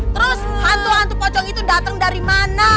terus hantu hantu pocong itu datang dari mana